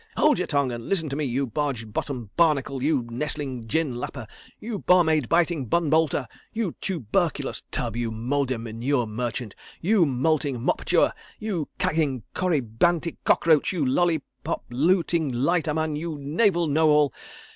Hold your tongue and listen to me, you barge bottom barnacle; you nestling gin lapper; you barmaid biting bun bolter; you tuberculous tub; you mouldy manure merchant; you moulting mop chewer; you kagging, corybantic cockroach; you lollipop looting lighterman; you naval know all.